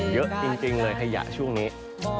คุกเทกาใกล้บอกว่า